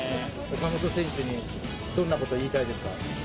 岡本選手にどんなこと言いたいですか。